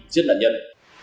giết nạn nhân